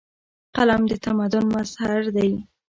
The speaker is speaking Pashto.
قلم د تمدن مظهر دی.